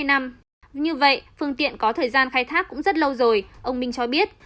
như vậy phương tiện có thời gian khai thác cũng rất lâu rồi ông minh cho biết